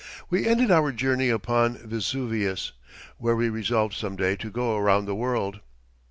We ended our journey upon Vesuvius, where we resolved some day to go around the world.